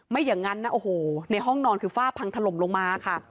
อย่างนั้นนะโอ้โหในห้องนอนคือฝ้าพังถล่มลงมาค่ะ